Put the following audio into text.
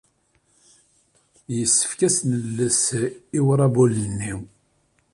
Yessefk ad as-nales i uṛabul-nni.